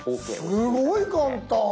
すごい簡単。